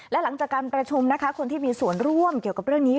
และหลังจากการประชุมนะคะคนที่มีส่วนร่วมเกี่ยวกับเรื่องนี้